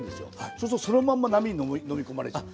そうするとそのまんま波に飲み込まれちゃう。